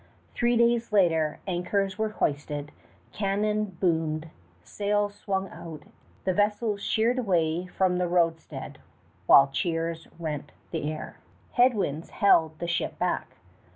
Three days later anchors were hoisted. Cannon boomed. Sails swung out; and the vessels sheered away from the roadstead while cheers rent the air. Head winds held the ship back.